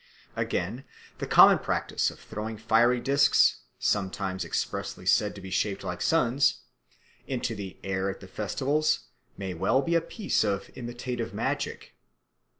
Again, the common practice of throwing fiery discs, sometimes expressly said to be shaped like suns, into the air at the festivals may well be a piece of imitative magic.